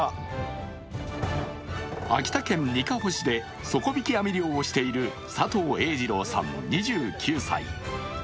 秋田県にかほ市で底引き網漁をしている佐藤栄次郎さん２９歳。